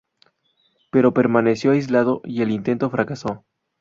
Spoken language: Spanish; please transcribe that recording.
Pero permaneció aislado y el intento fracasó.